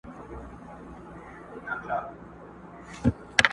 او نسلونه يې يادوي تل تل